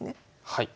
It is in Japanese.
はい。